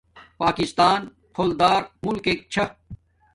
پاکستان پھل دار مولکک چھا